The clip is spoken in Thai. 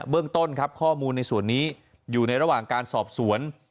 เรื่องต้นครับข้อมูลในส่วนนี้อยู่ในระหว่างการสอบสวน